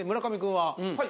はい。